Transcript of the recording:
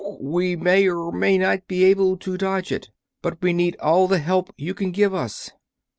We may or may not be able to dodge it, but we need all the help you can give us.